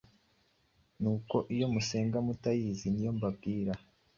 Nuko iyo musenga mutayizi ni yo mbabwira.”